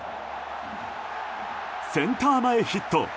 センター前ヒット！